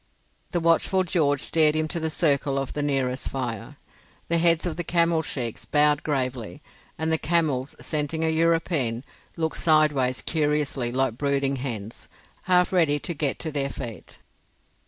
The watchful George steered him to the circle of the nearest fire. The heads of the camel sheiks bowed gravely, and the camels, scenting a European, looked sideways curiously like brooding hens, half ready to get to their feet.